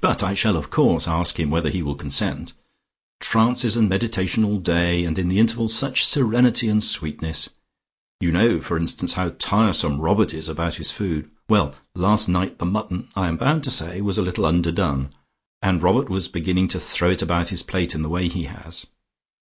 But I shall of course ask him whether he will consent. Trances and meditation all day! And in the intervals such serenity and sweetness. You know, for instance, how tiresome Robert is about his food. Well, last night the mutton, I am bound to say, was a little underdone, and Robert was beginning to throw it about his plate in the way he has.